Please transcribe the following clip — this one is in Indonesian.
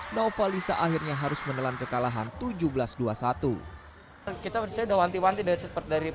nova lisa akhirnya harus menelan kekalahan seribu tujuh ratus dua puluh satu kita berusaha daun timan tidak seperti dari